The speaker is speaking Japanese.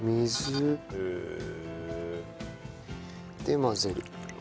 で混ぜる。